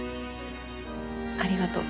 ありがとう。